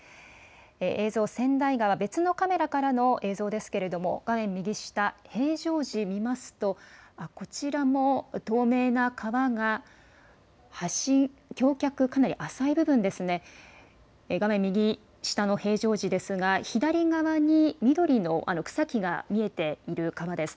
映像、千代川、別のカメラからの映像ですけれども、画面右下、平常時、見ますと、こちらも透明な川が、橋脚、かなり浅い部分ですね、画面右下の平常時ですが、左側に緑の草木が見えている川です。